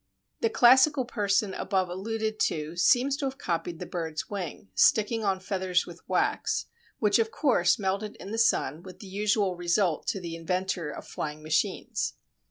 ] The classical person above alluded to seems to have copied the bird's wing, sticking on feathers with wax, which of course melted in the sun with the usual result to the inventor of flying machines.